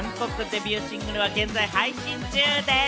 韓国デビューシングルは現在配信中です。